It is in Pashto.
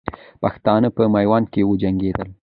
پښتانه په میوند کې وجنګېدل.